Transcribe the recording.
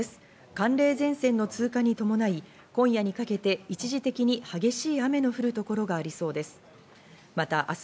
寒冷前線の通過に伴い、今夜にかけて一時的に激しい雨の降る所がありそうです。